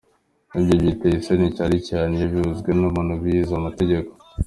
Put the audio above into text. Ibyi biteye isoni cyane cyane iyo bivuzwe n’umuntu wize amategeko.